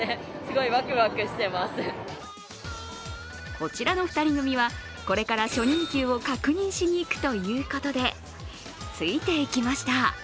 こちらの２人組はこれから初任給を確認しに行くということでついて行きました。